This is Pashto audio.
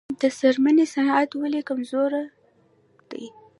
د څرمنې صنعت ولې کمزوری دی؟